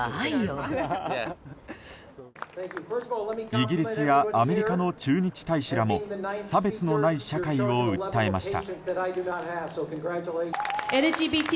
イギリスやアメリカの駐日大使らも差別のない社会を訴えました。